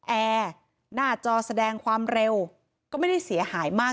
แอร์หน้าจอแสดงความเร็วก็ไม่ได้เสียหายมาก